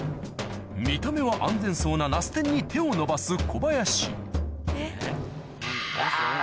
見た目は安全そうなナス天に手を伸ばす小林